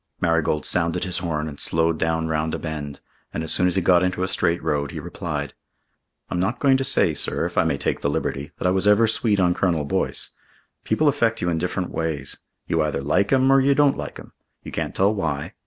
Marigold sounded his horn and slowed down round a bend, and, as soon as he got into a straight road, he replied. "I'm not going to say, sir, if I may take the liberty, that I was ever sweet on Colonel Boyce. People affect you in different ways. You either like 'em or you don't like 'em. You can't tell why.